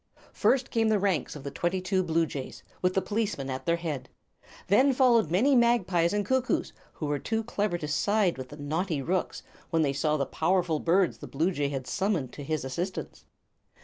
First came the ranks of the twenty two bluejays, with the policeman at their head. Then followed many magpies and cuckoos, who were too clever to side with the naughty rooks when they saw the powerful birds the bluejay had summoned to his assistance.